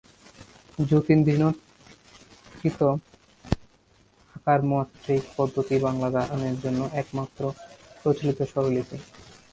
জ্যোতিরিন্দ্রনাথকৃত আকারমাত্রিক পদ্ধতি বাংলা গানের জন্য একমাত্র প্রচলিত স্বরলিপি।